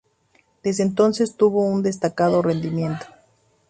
Desde entonces tuvo un destacado rendimiento.